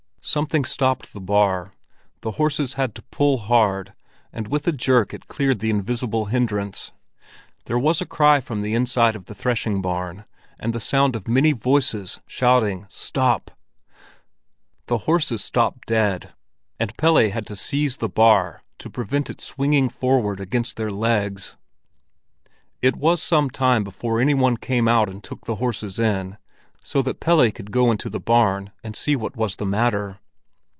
Something stopped the bar, the horses had to pull hard, and with a jerk it cleared the invisible hindrance. There was a cry from the inside of the threshing barn, and the sound of many voices shouting "Stop!" The horses stopped dead, and Pelle had to seize the bar to prevent it swinging forward against their legs. It was some time before any one came out and took the horses in, so that Pelle could go into the barn and see what was the matter.